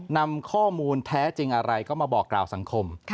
นำข้อมูลแท้จริงอะไรก็มาบอกกล่าวสังคม